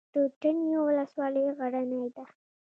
د تڼیو ولسوالۍ غرنۍ ده